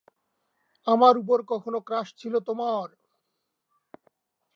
আমার ওপর কখনো ক্রাশ ছিল তোমার?